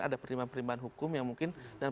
ada perlindungan hukum yang mungkin